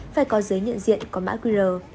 phải có giới nhận diện có mã qr